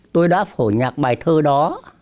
tôi đã phổ nhạc bài thơ đó